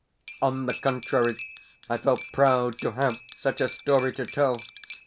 On the contrary, I felt proud to have such a story to tell.